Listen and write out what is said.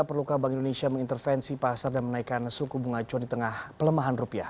perlukah bank indonesia mengintervensi pasar dan menaikkan suku bunga acuan di tengah pelemahan rupiah